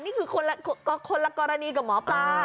นี่คือคนละกรณีกับหมอปลา